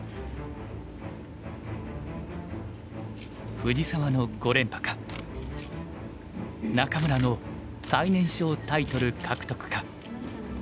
藤沢の５連覇か仲邑の最年少タイトル獲得か。